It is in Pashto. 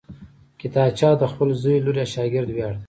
کتابچه د خپل زوی، لور یا شاګرد ویاړ ده